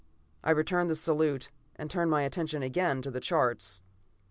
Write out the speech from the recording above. I returned the salute and turned my attention again to the charts.